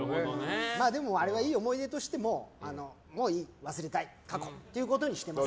でも、あれがいい思い出としてもういい、忘れたい過去ということにしています。